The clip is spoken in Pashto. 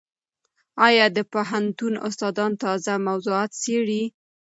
ایا د پوهنتون استادان تازه موضوعات څېړي؟